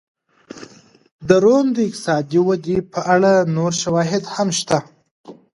د روم د اقتصادي ودې په اړه نور شواهد هم شته